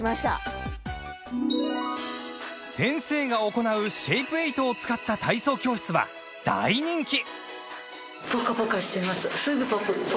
先生が行うシェイプエイトを使った体操教室は大人気！